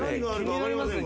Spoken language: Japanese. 気になりますね。